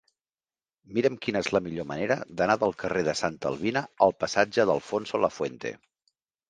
Mira'm quina és la millor manera d'anar del carrer de Santa Albina al passatge d'Alfonso Lafuente.